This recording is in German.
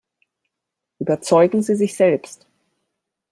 Überzeugen Sie sich selbst!